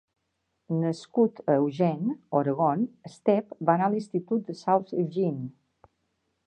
Nascut a Eugene, Oregon, Stepp va anar a l'institut de South Eugene.